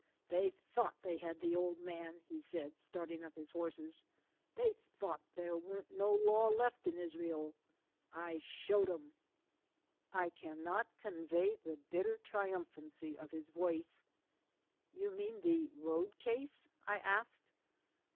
"They thought they had the old man," he said, starting up his horses. "They thought there weren't no law left in Israel. I showed 'em." I cannot convey the bitter triumphancy of his voice. "You mean the road case?" I asked.